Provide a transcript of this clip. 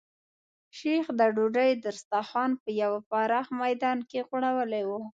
شیخ د ډوډۍ دسترخوان په یو پراخ میدان کې غوړولی و.